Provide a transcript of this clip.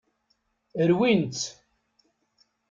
Rwin-tt.